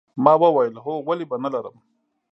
ما وویل هو ولې به نه لرم